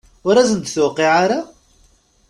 Ur asen-d-tuqiɛ ara?